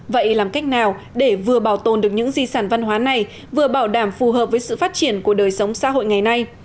vậy làm cách nào để vừa bảo tồn được những di sản văn hóa này vừa bảo đảm phù hợp với sự phát triển của đời sống xã hội ngày nay